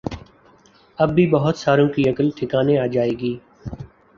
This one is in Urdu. اب بھی بہت ساروں کی عقل ٹھکانے آجائے گی